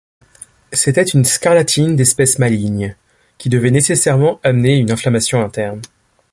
C’était une scarlatine d’espèce maligne, qui devait nécessairement amener une inflammation interne.